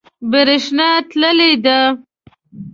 بریښنا تللی ده